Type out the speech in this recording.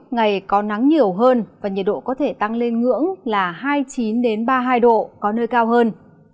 ngày có nắng nhiều hơn và nhiệt độ có thể tăng lên ngưỡng là hai mươi chín ba mươi hai độ có nơi cao hơn